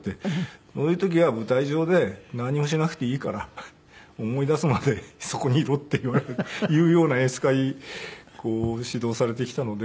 そういう時は舞台上で何もしなくていいから思い出すまでそこにいろっていうような演出家に指導されてきたので。